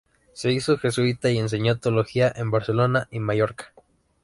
Se hizo jesuita y enseñó teología en Barcelona y Mallorca.